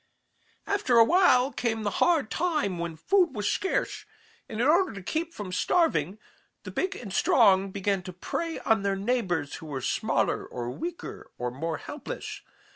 "After a while came the hard time when food was scarce, and in order to keep from starving, the big and strong began to prey on their neighbors who were smaller or weaker or more helpless.